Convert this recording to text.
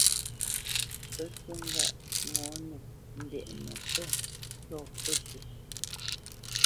Pə́ ncú ŋgâʼ ŋɔ̌nə ndɛʼnə́ pə̂ ntɔ̂ pəpʉ̂.